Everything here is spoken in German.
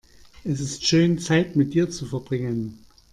Es ist schön, Zeit mit dir zu verbringen.